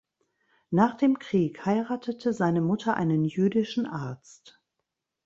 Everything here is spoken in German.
Nach dem Krieg heiratete seine Mutter einen jüdischen Arzt.